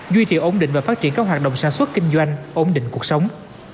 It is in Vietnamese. duy trì ổn định và phát triển các hoạt động sản xuất kinh doanh ổn định cuộc sống